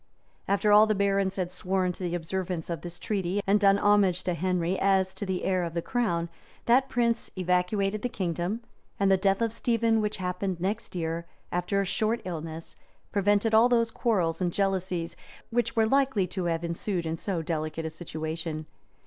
After all the barons had sworn to the observance of this treaty, and done homage to Henry, as to the heir of the crown, that prince evacuated the kingdom; and the death of Stephen which happened next year, [October 25, 1154,] after a short illness, prevented all those quarrels and jealousies which were likely to have ensued in so delicate a situation.